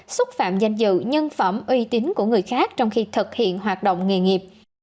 xúc phạm danh dự nhân phẩm uy tín của người khác trong khi thực hiện hoạt động nghề nghiệp